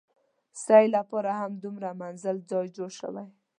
سعې لپاره هم دوه منزله ځای جوړ شوی.